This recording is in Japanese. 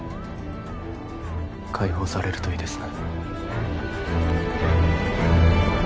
解放されるといいですね